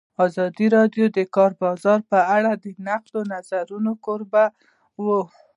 ازادي راډیو د د کار بازار په اړه د نقدي نظرونو کوربه وه.